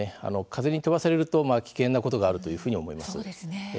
風に飛ばされると危険なことがあるというふうに思います。